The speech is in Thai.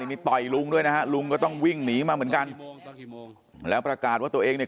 นี่ต่อยลุงด้วยนะฮะลุงก็ต้องวิ่งหนีมาเหมือนกันแล้วประกาศว่าตัวเองเนี่ย